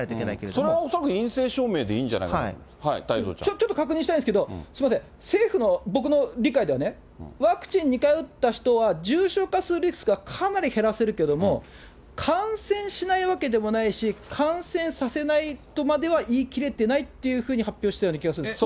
それは恐らく陰性証明でいいんじゃないかと、ちょっと確認したいんですけど、すみません、政府の、僕の理解ではね、ワクチン２回打った人は重症化するリスクはかなり減らせるけども、感染しないわけではないし、感染させないとまでは言いきれてないっていうふうに発表してたような気がするんです。